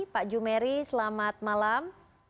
pak jumeri selamat malam